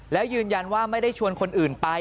แล้วยืนยันว่าไม่ได้ชวนคนอื่นไป